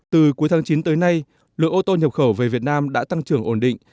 từ cuối tháng chín tới nay lượng ô tô nhập khẩu về việt nam đã tăng trưởng ổn định